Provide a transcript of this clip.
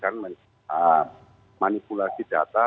dan manipulasi data